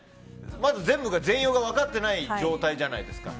まず全容が分かっていない状態じゃないですか。